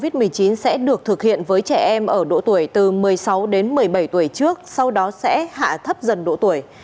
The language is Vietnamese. tiêm chủng vaccine sẽ được thực hiện với trẻ em ở độ tuổi từ một mươi sáu đến một mươi bảy tuổi trước sau đó sẽ hạ thấp dần độ tuổi